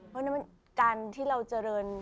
เพราะฉะนั้นการที่เราเจริญ